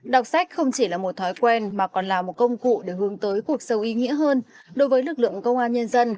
đọc sách không chỉ là một thói quen mà còn là một công cụ để hướng tới cuộc sâu ý nghĩa hơn đối với lực lượng công an nhân dân